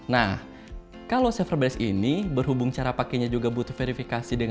nah kalau server based ini berhubung cara pakenya juga butuh verifikasi di internet